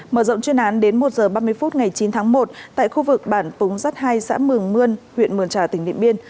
mở rộng chuyên án đến một h ba mươi phút ngày chín tháng một tại khu vực bản túng rắt hai xã mường mươn huyện mường trà tỉnh điện biên